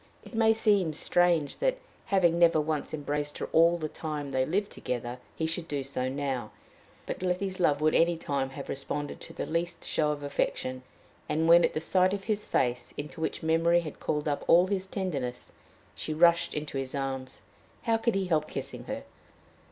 It may seem strange that, having never once embraced her all the time they lived together, he should do so now; but Letty's love would any time have responded to the least show of affection, and when, at the sight of his face, into which memory had called up all his tenderness, she rushed into his arms, how could he help kissing her?